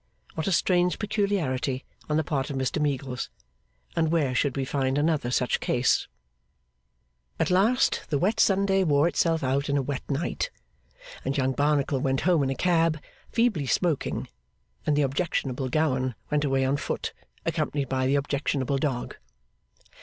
What a strange peculiarity on the part of Mr Meagles, and where should we find another such case! At last the wet Sunday wore itself out in a wet night; and Young Barnacle went home in a cab, feebly smoking; and the objectionable Gowan went away on foot, accompanied by the objectionable dog.